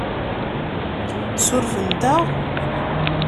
Surfent-aɣ?